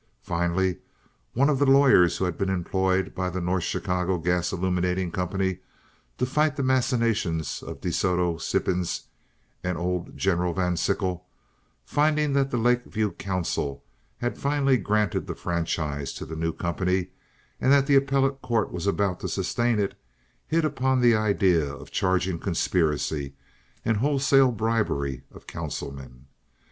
Finally one of the lawyers who had been employed by the North Chicago Gas Illuminating Company to fight the machinations of De Soto Sippens and old General Van Sickle, finding that the Lake View Council had finally granted the franchise to the new company and that the Appellate Court was about to sustain it, hit upon the idea of charging conspiracy and wholesale bribery of councilmen.